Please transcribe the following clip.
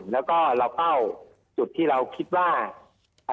แล้วก็เราเป้าจุดที่เราคิดว่าอ่า